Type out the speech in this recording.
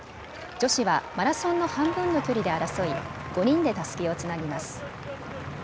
女子はマラソンの半分の距離で争い、５人でたすきをつなぎます。